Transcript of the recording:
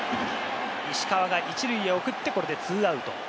石川が１塁に送って、これで２アウト。